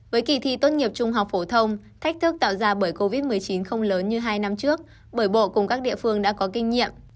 với kỳ thi tốt nghiệp trung học phổ thông thách thức tạo ra bởi covid một mươi chín không lớn như hai năm trước bởi bộ cùng các địa phương đã có kinh nghiệm